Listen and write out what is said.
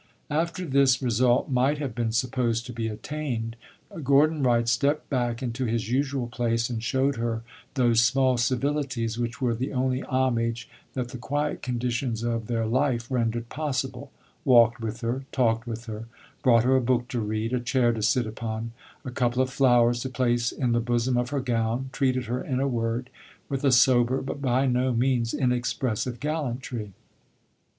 After this result might have been supposed to be attained, Gordon Wright stepped back into his usual place and showed her those small civilities which were the only homage that the quiet conditions of their life rendered possible walked with her, talked with her, brought her a book to read, a chair to sit upon, a couple of flowers to place in the bosom of her gown, treated her, in a word, with a sober but by no means inexpressive gallantry.